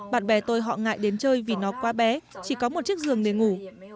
bạn bè tôi họ ngại đến chơi vì nó quá bé chỉ có một chiếc giường để ngủ